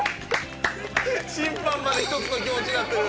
「審判まで一つの気持ちになってる」